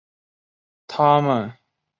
他们是乌克兰希腊礼天主教会教徒。